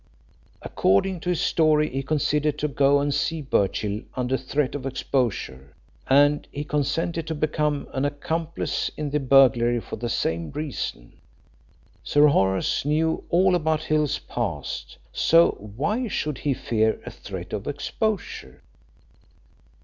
According to his story, he consented to go and see Birchill under threat of exposure, and he consented to become an accomplice in the burglary for the same reason. Sir Horace knew all about Hill's past, so why should he fear a threat of exposure?"